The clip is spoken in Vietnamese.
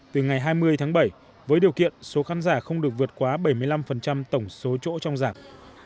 từ ngày hai mươi tháng bảy với điều kiện số khán giả không được vượt quá bảy mươi năm tổng số chỗ trong giảm